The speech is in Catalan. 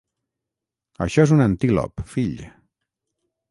Això és un antílop, fill.